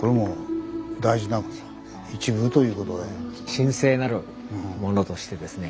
神聖なるものとしてですね